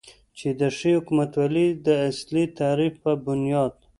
چې د ښې حکومتولې داصلي تعریف په بنیاد